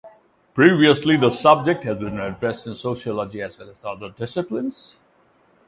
Previously, the subject had been addressed in sociology as well as other disciplines.